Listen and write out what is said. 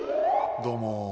どうも。